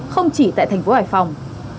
không chỉ tại thành phố hải phòng